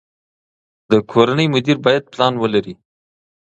د کورنۍ مدیر باید پلان ولري.